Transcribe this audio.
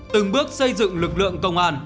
từng bước xây dựng lực lượng công an